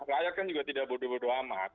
rakyat kan juga tidak bodoh bodoh amat